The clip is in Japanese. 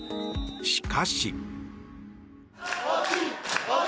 しかし。